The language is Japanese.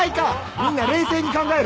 みんな冷静に考えろ。